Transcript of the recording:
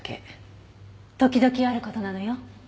時々ある事なのよ。